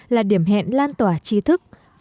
là điểm hẹn lan tỏa trí thức